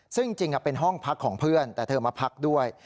ซึ่งจริงเป็นห้องพักของเพื่อนแต่เธอมาพักด้วย